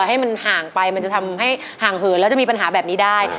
ให้มันห่างไปมันจะทำให้ห่างเหินแล้วจะมีปัญหาแบบนี้ได้